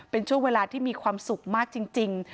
เป็นช่วงเวลาที่มีความสุขมากจริง